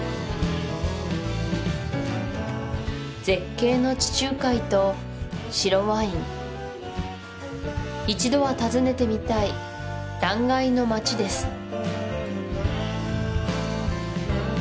絶景の地中海と白ワイン一度は訪ねてみたい断崖の町です